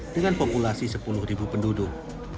dengan populasi sepuluh penduduk